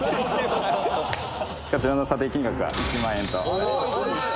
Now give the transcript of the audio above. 「こちらの査定金額は１万円となります」